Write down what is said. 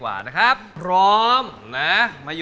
กรุงเทพหมดเลยครับ